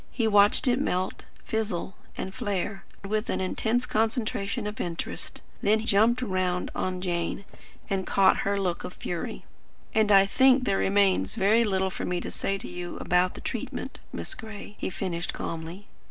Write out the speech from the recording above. He watched it melt, fizzle, and flare, with an intense concentration of interest; then jumped round on Jane, and caught her look of fury. "And I think there remains very little for me to say to you about the treatment, Miss Gray," he finished calmly.